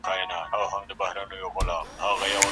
ولي ځيني هیوادونه تابعیت نه مني؟